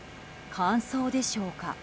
乾燥でしょうか。